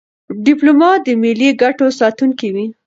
ډيپلومات د ملي ګټو ساتونکی وي.